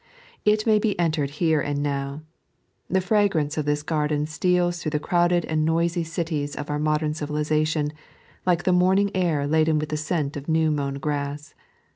It may be entered here and now. The fragrance of this garden steals through the crowded and noi^ cities of our modem civilization like the morning air laden with the scent of new mown grass.